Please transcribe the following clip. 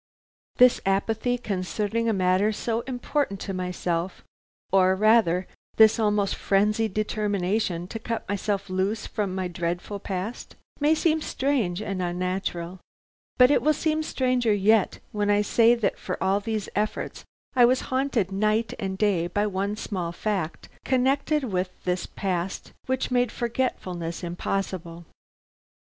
"This apathy concerning a matter so important to myself, or rather this almost frenzied determination to cut myself loose from my dreadful past, may seem strange and unnatural; but it will seem stranger yet when I say that for all these efforts I was haunted night and day by one small fact connected with this past, which made forgetfulness impossible.